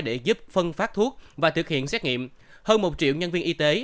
để giúp phân phát thuốc và thực hiện xét nghiệm hơn một triệu nhân viên y tế